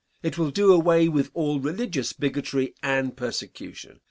It will do away with all religious bigotry and persecution.